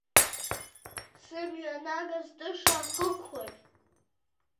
Сымҩа нагаз тыша хықәлагь…